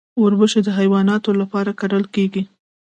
وربشې د حیواناتو لپاره کرل کیږي.